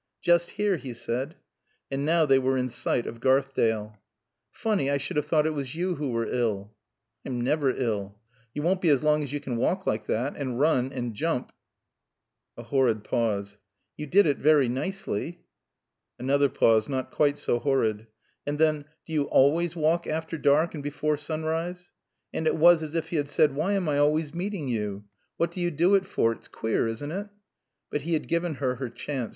"Just here," he said. And now they were in sight of Garthdale. "Funny I should have thought it was you who were ill." "I'm never ill." "You won't be as long as you can walk like that. And run. And jump " A horrid pause. "You did it very nicely." Another pause, not quite so horrid. And then "Do you always walk after dark and before sunrise?" And it was as if he had said, "Why am I always meeting you? What do you do it for? It's queer, isn't it?" But he had given her her chance.